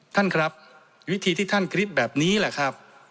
ท่านครับวิธีที่ท่านคิดแบบนี้แหละครับ